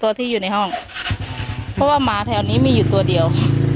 ตัวที่อยู่ในห้องเพราะว่าหมาแถวนี้มีอยู่ตัวเดียว